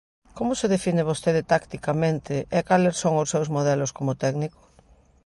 Como se define vostede tacticamente e cales son os seus modelos como técnico?